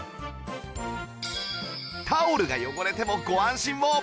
タオルが汚れてもご安心を！